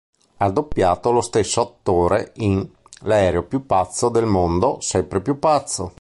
Ha doppiato lo stesso attore in "L'aereo più pazzo del mondo... sempre più pazzo".